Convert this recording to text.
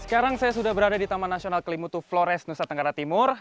sekarang saya sudah berada di taman nasional kelimutu flores nusa tenggara timur